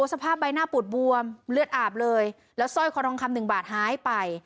สภาพใบหน้าปูดบวมเลือดอาบเลยแล้วสร้อยคอทองคำหนึ่งบาทหายไป